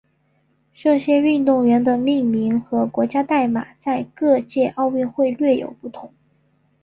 这些运动员的命名和国家代码在各届奥运会略有不同。